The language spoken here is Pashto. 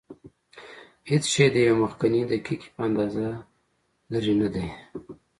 هېڅ شی د یوې مخکنۍ دقیقې په اندازه لرې نه دی.